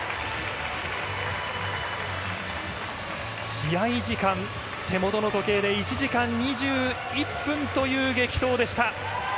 試合時間、手元の時計で１時間２１分という激闘でした。